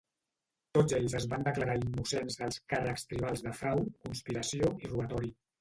Tots ells es van declarar innocents dels càrrecs tribals de frau, conspiració i robatori.